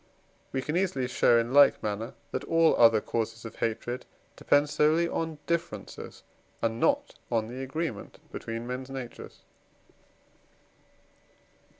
We can easily show in like manner, that all other causes of hatred depend solely on differences, and not on the agreement between men's natures.